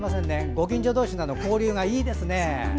ご近所同士の交流がいいですね。